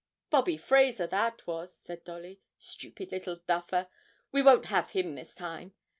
'Bobby Fraser, that was,' said Dolly; 'stupid little duffer. We won't have him this time.